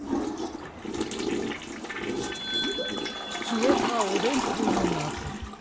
きえたおべんとうのなぞ。